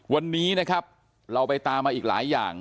วันนี้นะครับเราไปตามมาอีกหลายอย่าง